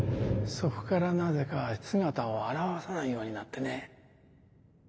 そこからなぜか姿を現さないようになってね。